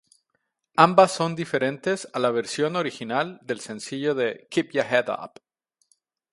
Ambas son diferentes a la versión original del sencillo de "Keep Ya Head Up".